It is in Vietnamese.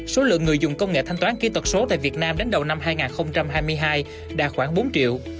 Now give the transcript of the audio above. số lượng người dùng công nghệ thanh toán kỹ thuật số tại việt nam đến đầu năm hai nghìn hai mươi hai đạt khoảng bốn triệu